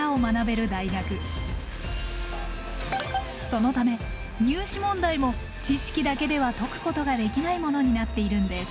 そのため入試問題も知識だけでは解くことができないものになっているんです。